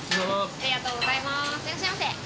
ありがとうございます。